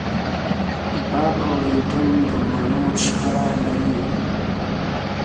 باب او اېډم د مڼو شخړه لري.